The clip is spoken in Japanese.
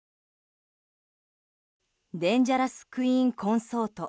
デンジャラス・クイーン・コンソート